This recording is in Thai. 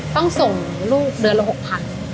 ต้องส่งลูกเดือนละ๖๐๐บาท